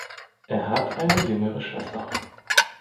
Er hat eine jüngere Schwester.